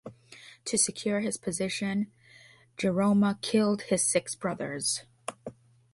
To secure his position Jehoram killed his six brothers.